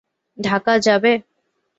ঢাকা যাবে?